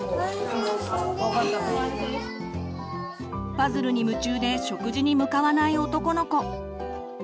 パズルに夢中で食事に向かわない男の子。